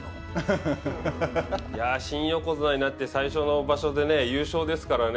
いやあ新横綱になって最初の場所で優勝ですからね。